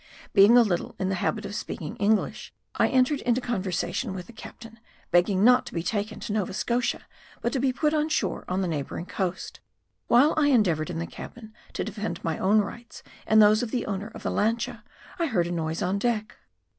Being a little in the habit of speaking English, I entered into conversation with the captain, begging not to be taken to Nova Scotia, but to be put on shore on the neighbouring coast. While I endeavoured, in the cabin, to defend my own rights and those of the owner of the lancha, I heard a noise on deck.